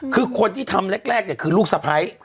คือคนที่ทำแรกเนี่ยคือลูกสะพ้าย